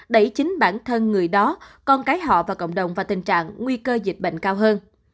đẩy chính bản thân người đó con cái họ và cộng đồng vào tình trạng nguy cơ dịch bệnh cao hơn